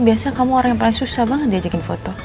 biasanya kamu orang yang paling susah banget diajakin foto